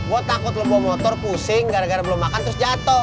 gue takut lo bawa motor pusing gara gara belum makan terus jatuh